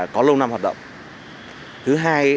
có lâu năm hoạt động thứ hai